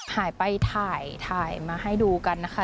หายไปถ่ายมาให้ดูกันนะคะ